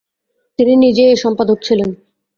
তিনি নিজেই এর সম্পাদক ছিলেন।